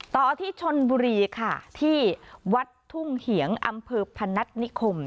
ต่อที่ชนบุรีค่ะที่วัดทุ่งเหียงอำเภอพนัฐนิคม